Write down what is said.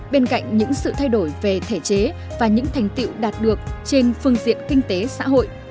bên cạnh những sự thay đổi về thể chế và những thành tiệu đạt được trên phương diện kinh tế xã hội